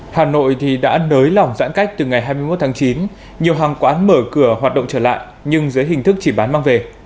hà nội đã nới lỏng giãn cách từ ngày hai mươi một tháng chín nhiều hàng quán mở cửa hoạt động trở lại nhưng dưới hình thức chỉ bán mang về